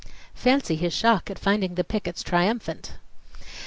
." Fancy his shock at finding the pickets triumphant.